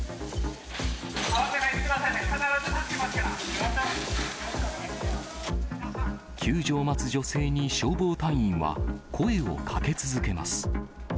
慌てないでくださいね、救助を待つ女性に、消防隊員は声をかけ続けます。